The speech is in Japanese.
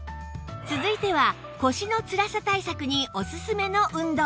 続いては腰のつらさ対策にオススメの運動